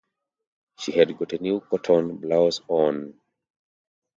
She had got a new cotton blouse on.